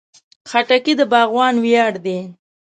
خټکی د باغوان ویاړ دی.